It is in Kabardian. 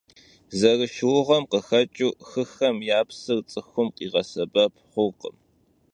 Zerışşıuğem khıxeç'ıu xıxem ya psır ts'ıxum khiğesebep xhurkhım.